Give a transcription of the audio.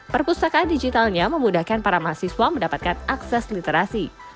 perpustakaan digitalnya memudahkan para mahasiswa mendapatkan akses literasi